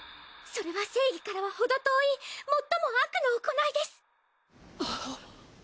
それは正義からはほど遠い最も悪の行いです。